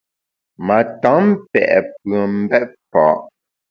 Ma tam pe’ pùem mbèt fa’.